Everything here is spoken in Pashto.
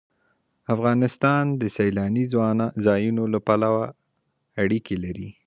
افغانستان د سیلاني ځایونو له پلوه اړیکې لري.